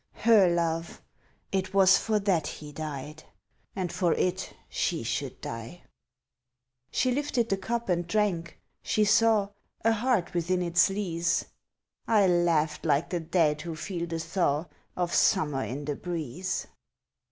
(Her love! it was for that he died, And for it she should die.) She lifted the cup and drank she saw A heart within its lees. (I laughed like the dead who feel the thaw Of summer in the breeze.)